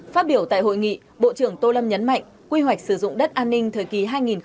phát biểu tại hội nghị bộ trưởng tô lâm nhấn mạnh quy hoạch sử dụng đất an ninh thời kỳ hai nghìn hai mươi một hai nghìn ba mươi